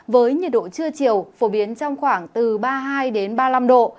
với nhiệt độ trưa chiều phổ biến trong khoảng từ ba mươi hai ba mươi năm độ